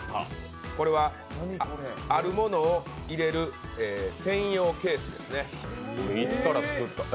これはあるものを入れる専用ケースですね。